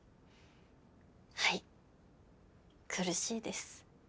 はい苦しいです。